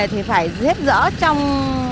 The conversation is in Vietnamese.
thì phải xếp dở trong